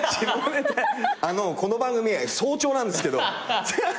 この番組早朝なんですけど。